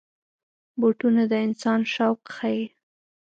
بوټونه د انسان شوق ښيي.